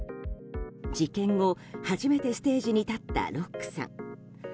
事件後、初めてステージに立ったロックさん。